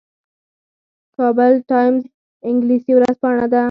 کابل ټایمز انګلیسي ورځپاڼه ده